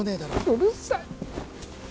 うるさい